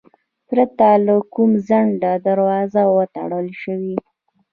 پرته له کوم ځنډه دروازې وتړل شوې.